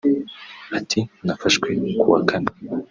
Ati “Nafashwe kuwa Kane